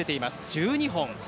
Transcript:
１２本。